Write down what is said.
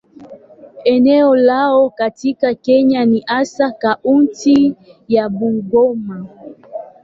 Eneo lao katika Kenya ni hasa kaunti ya Bungoma.